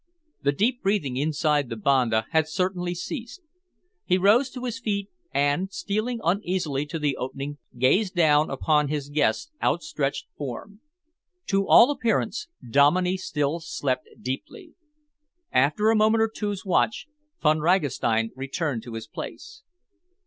The deep breathing inside the banda had certainly ceased. He rose to his feet and, stealing uneasily to the opening, gazed down upon his guest's outstretched form. To all appearance, Dominey still slept deeply. After a moment or two's watch, Von Ragastein returned to his place.